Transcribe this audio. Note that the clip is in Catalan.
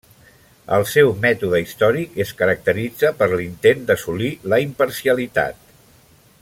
El seu mètode històric es caracteritza per l'intent d'assolir la imparcialitat.